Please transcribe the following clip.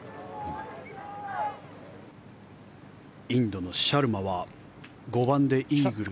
インドのシャルマは５番でイーグル。